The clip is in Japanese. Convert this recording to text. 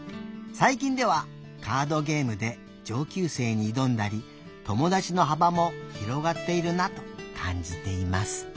最近ではカードゲームで上級生に挑んだり友達の幅も広がっているなと感じています」。